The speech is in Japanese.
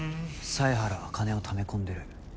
犀原は金をため込んでる。